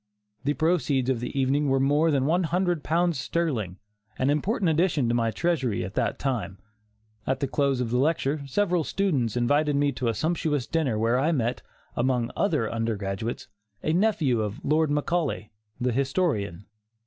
The proceeds of the evening were more than one hundred pounds sterling, an important addition to my treasury at that time. At the close of the lecture, several students invited me to a sumptuous supper where I met, among other undergraduates, a nephew of Lord Macaulay, the historian.